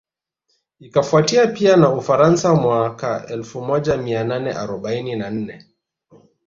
Ikafuatia pia na Ufaransa mwaka elfu moja mia nane arobaini na nne